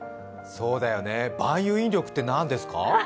そうだよね、万有引力って何ですか？